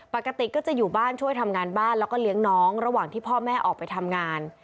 ปกติก็จะอยู่บ้านช่วยทำงานบ้านแล้วก็เลี้ยงน้องระหว่างที่พ่อแม่ออกไปทำงาน